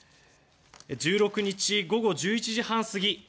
１６日午後１１時半過ぎ